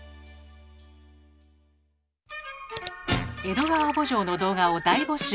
「江戸川慕情」の動画を大募集。